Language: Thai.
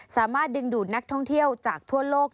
สามารถดึงดูดนักท่องเที่ยวจากทั่วโลก